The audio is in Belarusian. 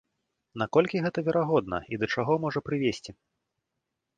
На колькі гэта верагодна і да чаго можа прывесці?